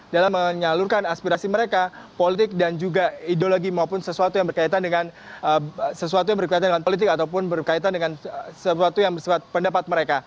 dalam menyalurkan aspirasi mereka politik dan juga ideologi maupun sesuatu yang berkaitan dengan politik ataupun berkaitan dengan sesuatu yang bersebut pendapat mereka